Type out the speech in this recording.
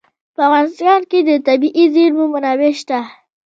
په افغانستان کې د طبیعي زیرمې منابع شته.